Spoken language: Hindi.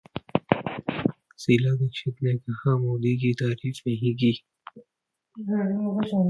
शीला दीक्षित ने कहा, मोदी की तारीफ नहीं की